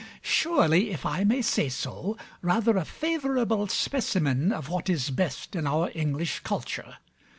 Surely, if I may say so, rather a favorable specimen of what is best in our English culture.